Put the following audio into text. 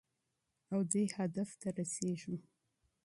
او دې هدف ته رسېږو.